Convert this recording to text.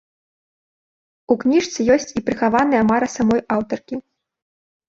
У кніжцы ёсць і прыхаваная мара самой аўтаркі.